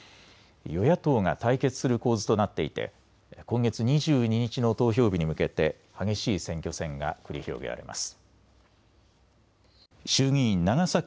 与野党が対決する構図となっていて今月２２日の投票日に向けて激しい選挙戦が繰り広げられます。